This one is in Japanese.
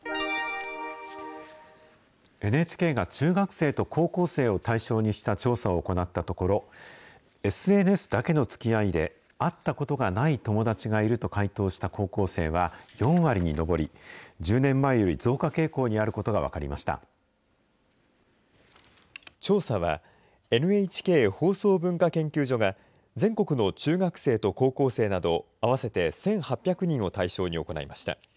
ＮＨＫが中学生と高校生を対象にした調査を行ったところ、ＳＮＳだけのつきあいで会ったことがない友達がいると回答した高校生は４割に上り、１０年前より増加傾向にあることが分かりまし調査は、ＮＨＫ放送文化研究所が、全国の中学生と高校生など合わせて１８００人を対象に行いました。